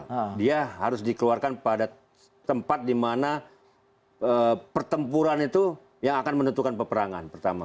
bisa diobrol dia harus dikeluarkan pada tempat dimana pertempuran itu yang akan menentukan peperangan pertama